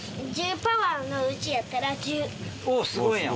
おすごいやん。